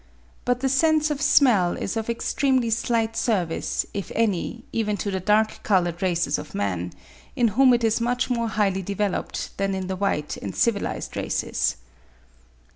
But the sense of smell is of extremely slight service, if any, even to the dark coloured races of men, in whom it is much more highly developed than in the white and civilised races.